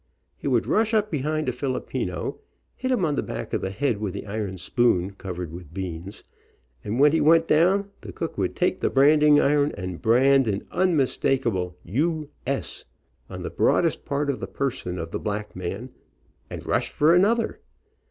He would rush up behind a Filipino, hit him on the back of the head with the iron spoon, covered with beans, and when he went down the cook would take the branding iron and brand an unmistakable "U. S." on the broadest part of the person of the black man, and rush for another.